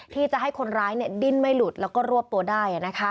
ที่จะให้คนร้ายดิ้นไม่หลุดแล้วก็รวบตัวได้